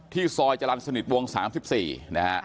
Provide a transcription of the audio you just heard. ที่ซอยจรรสนิทวง๓๔นะครับ